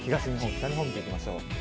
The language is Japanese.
北日本を見ていきましょう。